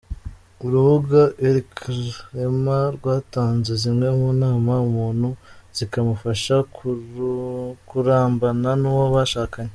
Urubuga Elcrema rwatanze zimwe mu nama umuntu zikamufasha kurambana n’uwo bashakanye.